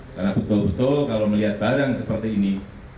karena betul betul kalau melihat barang seperti ini